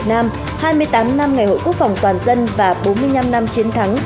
tám năm ngày hội quốc phòng toàn dân và bốn mươi năm năm chiến thắng